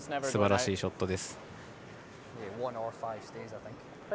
すばらしいショットです。